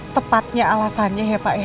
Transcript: tepatnya alasannya ya pak ya